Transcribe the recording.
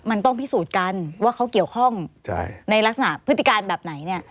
มันต้องพิสูจน์กันว่าเขาเกี่ยวข้องในลักษณะพฤติการแบบไหนเนี่ย